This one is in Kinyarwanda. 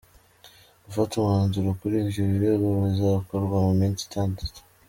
Gufata umwanzuro kuri ibyo birego bizakorwa mu minsi itandatu.